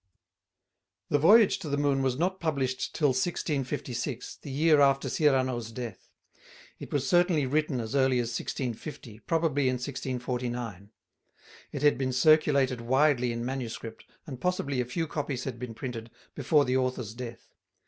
The Voyage to the Moon was not published till 1656, the year after Cyrano's death. It was certainly written as early as 1650, probably in 1649. It had been circulated widely in manuscript, and possibly a few copies had been printed, before the author's death.